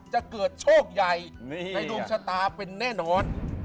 จะเกิดโชคใหญ่ในดวงชะตาเป็นแน่นอน